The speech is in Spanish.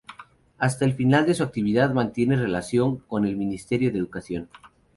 Hasta el final de su actividad mantiene relación con el Ministerio de Educación.